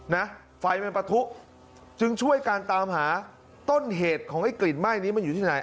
นะไฟมันปะทุจึงช่วยการตามหาต้นเหตุของไอ้กลิ่นไหม้นี้มันอยู่ที่ไหน